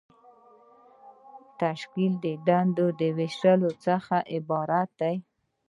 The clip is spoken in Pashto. تشکیل د دندو د ویشلو څخه عبارت دی.